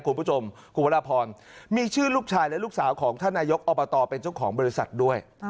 คุณผู้ชมคุณวรพรมีชื่อลูกชายและลูกสาวของท่านนายกอบตเป็นเจ้าของบริษัทด้วย